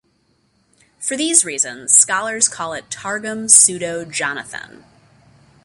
For these reasons, scholars call it "Targum Pseudo-Jonathan".